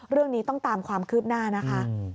เรื่องนี้ต้องตามความคืบหน้านะคะ